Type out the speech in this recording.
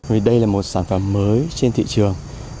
vì đây là một sản phẩm mới trên thị trường